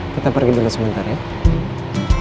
kita pergi dulu sebentar ya